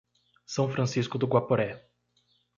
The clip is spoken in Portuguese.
São Francisco do Guaporé